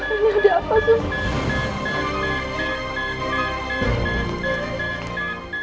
ini ada apa sus